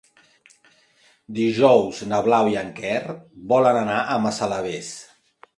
Dijous na Blau i en Quer volen anar a Massalavés.